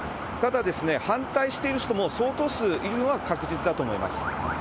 ただ、反対している人も相当数いるのは確実だと思います。